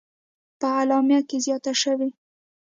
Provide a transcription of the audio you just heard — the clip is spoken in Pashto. په اعلامیه کې زیاته شوې: